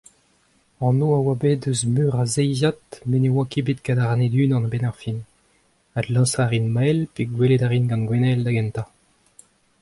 Anv a oa bet eus meur a zeiziad met ne oa ket bet kadarnaet unan a-benn ar fin, adlañsañ a rin Mael pe gwelet a rin gant Gwennael da gentañ ?